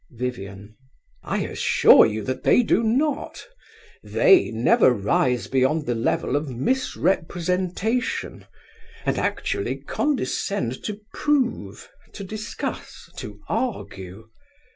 VIVIAN. I assure you that they do not. They never rise beyond the level of misrepresentation, and actually condescend to prove, to discuss, to argue.